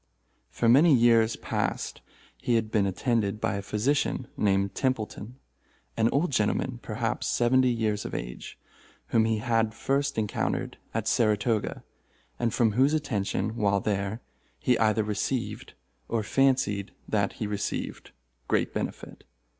For many years past he had been attended by a physician, named Templeton—an old gentleman, perhaps seventy years of age—whom he had first encountered at Saratoga, and from whose attention, while there, he either received, or fancied that he received, great benefit.